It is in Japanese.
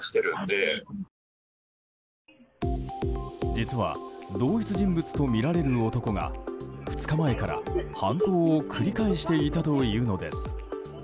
実は、同一人物とみられる男が２日前から犯行を繰り返していたというのです。